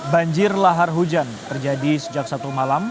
banjir lahar hujan terjadi sejak satu malam